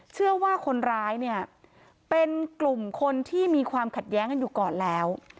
เชื่อว่าคนร้ายเนี่ยเป็นกลุ่มคนที่มีความขัดแย้งกันอยู่ก่อนแล้ว